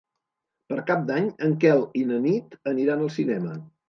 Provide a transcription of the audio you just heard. Per Cap d'Any en Quel i na Nit aniran al cinema.